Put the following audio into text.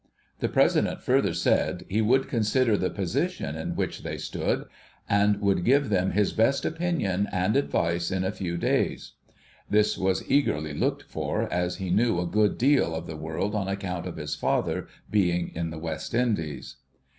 The President further said, he would consider the position in which they stood, and would give them his best opinion and advice in a few days. This was eagerly looked for, as he knew a good deal of the world on account of his father's being in the West Indies.